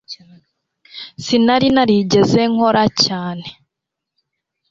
Sinari narigeze nkora cyane